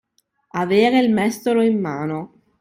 Avere il mestolo in mano.